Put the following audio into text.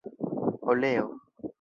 oleo